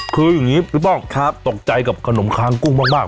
คืออย่างนี้พี่ป้องตกใจกับขนมคางกุ้งมาก